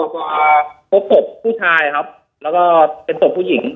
ก็ความว่าศพสบผู้ชายแล้วก็เป็นศพผู้หญิง